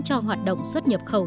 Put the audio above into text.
cho hoạt động xuất nhập khẩu